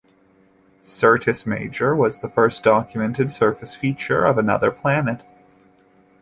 Syrtis Major was the first documented surface feature of another planet.